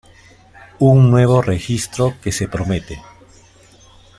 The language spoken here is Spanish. Un nuevo registro que se promete.